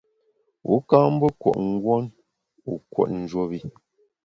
Wu ka mbe kùot nguon wu kùot njuop i.